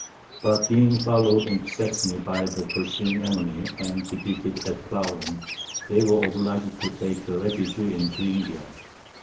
But being followed into Saxony by the pursuing enemy, and defeated at Plauen, they were obliged to take refuge in Thuringia.